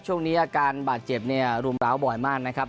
ช่วงนี้อาการบาดเจ็บเนี่ยรุมร้าวบ่อยมากนะครับ